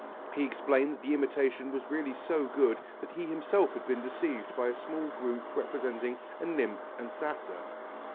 He explained that the imitation was really so good that he himself had been deceived by a small group representing a nymph and satyr.